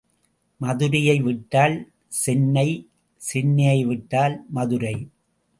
மதுரையை விட்டால் சென்னை சென்னையை விட்டால் மதுரை.